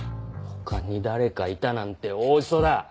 他に誰かいたなんて大ウソだ。